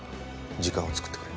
時間を作ってくれ。